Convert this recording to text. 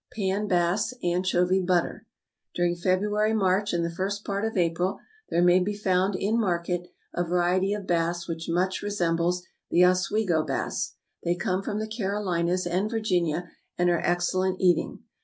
=Pan Bass, Anchovy Butter.= During February, March, and the first part of April, there may be found in market a variety of bass which much resembles the Oswego bass. They come from the Carolinas and Virginia, and are excellent eating.